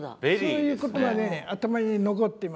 そういうことが頭に残ってましてね